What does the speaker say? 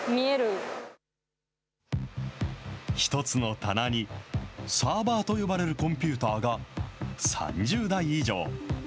１つの棚に、サーバーと呼ばれるコンピューターが３０台以上。